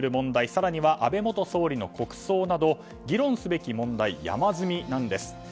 更には安倍元首相の国葬など議論すべき問題山積みなんです。